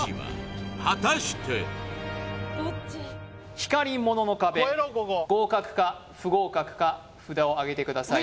光り物の壁合格か不合格か札をあげてください